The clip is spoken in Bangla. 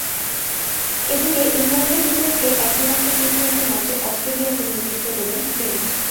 এদিকে, ইংল্যান্ডের বিপক্ষে একমাত্র টি টোয়েন্টি ম্যাচে অস্ট্রেলিয়াকে নেতৃত্ব দেবেন ফিঞ্চ।